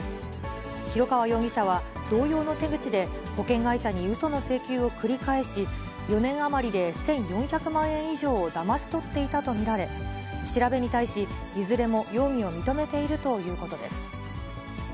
広川容疑者は同様の手口で、保険会社にうその請求を繰り返し、４年余りで１４００万円以上をだまし取っていたと見られ、調べに対し、いずれも容疑を認めているということです。